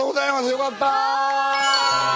よかった。